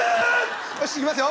よしいきますよ。